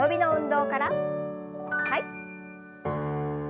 はい。